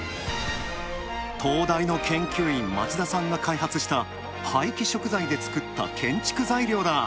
東大の研究員・町田さんが開発した廃棄食材で作った建築材料だ。